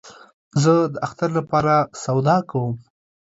زه د اختر له پاره سودا کوم